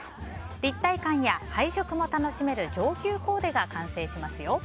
立体感や配色も楽しめる上級コーデが完成しますよ。